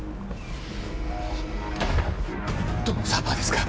どのサーバーですか？